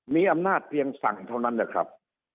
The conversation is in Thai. มีอำนาจเพียงสั่งเท่านั้นนะครับ